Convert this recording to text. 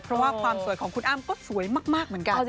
เพราะว่าความสวยของคุณอ้ำก็สวยมากเหมือนกัน